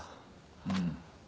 うん。